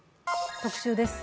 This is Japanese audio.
特集です。